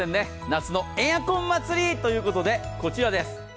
夏のエアコン祭りということでこちらです。